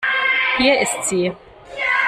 Hier ist sie.